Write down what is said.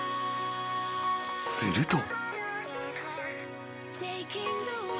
［すると］